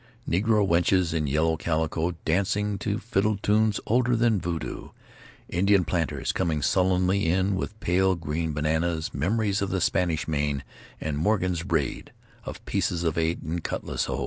Negro wenches in yellow calico dancing to fiddled tunes older than voodoo; Indian planters coming sullenly in with pale green bananas; memories of the Spanish Main and Morgan's raid, of pieces of eight and cutlasses ho!